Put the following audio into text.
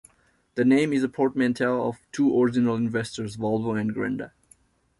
The name is a portmanteau of the two original investors, Volvo and Grenda.